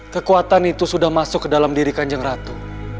kekuatan itu sudah masuk ke dalam diri kanjeng ratu